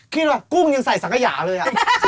คิดว่ากุ้งยังใส่สังขยาเลย